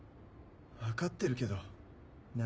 分かってるけどな